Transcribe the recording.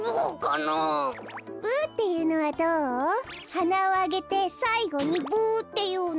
はなをあげてさいごにブっていうの。